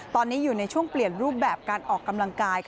ตอนนี้อยู่ในช่วงเปลี่ยนรูปแบบการออกกำลังกาย